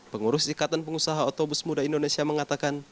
pengurus ikatan pengusaha otobus muda indonesia mengatakan